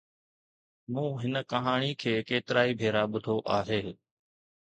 مون هن ڪهاڻي کي ڪيترائي ڀيرا ٻڌو آهي.